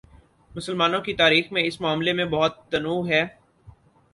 مسلمانوں کی تاریخ میں اس معاملے میں بہت تنوع ہے۔